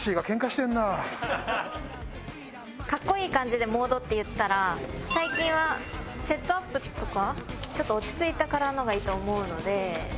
格好いい感じで「モード」っていったら最近はセットアップとかちょっと落ち着いたカラーのがいいと思うので。